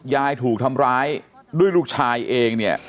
ยายถูกทำร้ายด้วยลูกชายเองเนี่ย